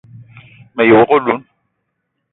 Me ye wok oloun